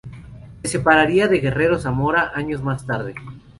Se separaría de Guerrero Zamora años más tarde.